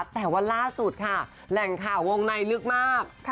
แต่ว่าล่าสุดค่ะแหล่งข่าววงในลึกมาก